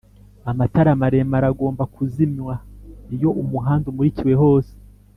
Amatara maremare agomba kuzimwa iyo umuhanda umurikiwe hose